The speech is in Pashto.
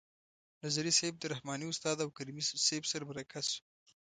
نظري صیب د رحماني استاد او کریمي صیب سره مرکه شو.